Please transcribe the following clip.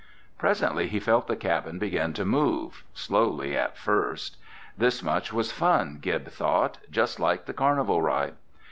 Presently he felt the cabin begin to move, slowly at first. This much was fun, Gib thought, just like the carnival ride.